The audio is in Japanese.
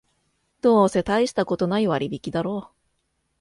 どうせたいしたことない割引だろう